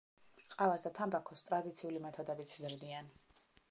ყავას და თამბაქოს ტრადიციული მეთოდებით ზრდიან.